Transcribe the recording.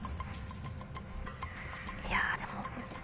いやでも。